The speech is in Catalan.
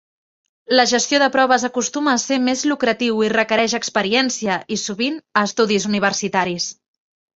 La gestió de proves acostuma a ser més lucratiu i requereix experiència i, sovint, estudis universitaris.